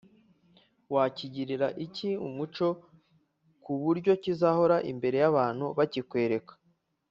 wakigirira iki umuco ku buryo kizahora imbere y’abantu bakikwereka